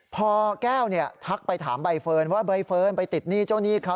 พอแก้วทักไปถามใบเฟิร์นว่าใบเฟิร์นไปติดหนี้เจ้าหนี้เขา